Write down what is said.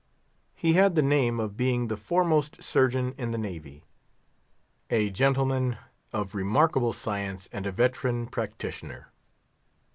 He had the name of being the foremost Surgeon in the Navy, a gentleman of remarkable science, and a veteran practitioner.